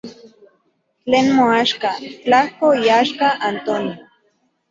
Tlen moaxka, tlajko iaxka Antonio.